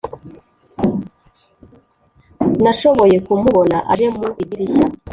nashoboye kumubona aje mu idirishya.